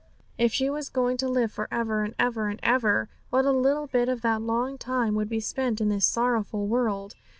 If she was going to live for ever, and ever, and ever, what a little bit of that long time would be spent in this sorrowful world!